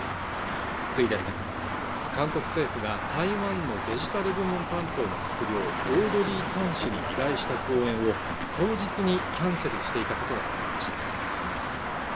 韓国政府が台湾のデジタル部門担当の閣僚オードリー・タン氏に依頼した講演を当日にキャンセルしていたことが分かりました